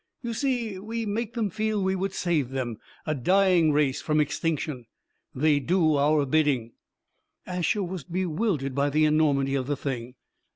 You see, we made them feel we would save them, a dying race, from extinction! They do our bidding." Asher was bewildered by the enormity of the thing.